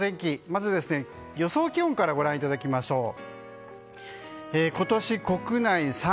まずは予想気温からご覧いただきましょう。